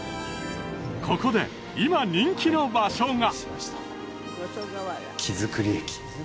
ここで今人気の場所が木造駅